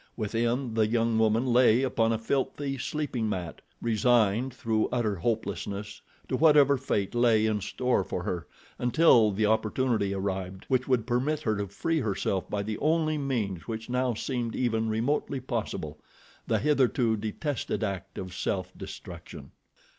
Within, the young woman lay upon a filthy sleeping mat, resigned, through utter hopelessness to whatever fate lay in store for her until the opportunity arrived which would permit her to free herself by the only means which now seemed even remotely possible—the hitherto detested act of self destruction.